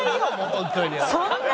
ホントに。